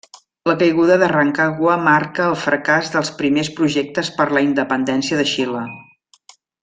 La caiguda de Rancagua marca el fracàs dels primers projectes per la Independència de Xile.